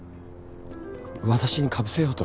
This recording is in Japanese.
私にかぶせようと？